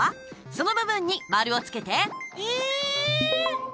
その部分に丸をつけて。